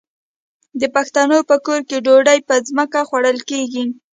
د پښتنو په کور کې ډوډۍ په ځمکه خوړل کیږي.